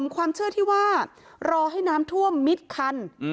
ความเชื่อที่ว่ารอให้น้ำท่วมมิดคัน